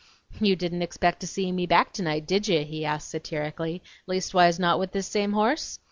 "You didn't expect to see me back tonight, did ye?" he asked satirically; "leastwise not with this same horse?